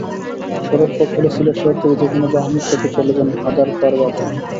সড়কপথ হলে সিলেট শহর থেকে যেকোনো বাহনে চেপে চলে যান হাদারপার বাজার।